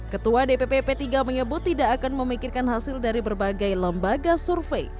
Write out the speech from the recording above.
ketua dpp p tiga menyebut tidak akan memikirkan hasil dari berbagai lembaga survei